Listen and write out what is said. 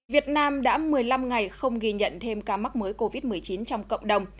việt nam đã một mươi năm ngày không ghi nhận thêm ca mắc mới covid một mươi chín trong cộng đồng